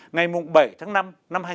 ngày bảy tháng năm năm hai nghìn một mươi tám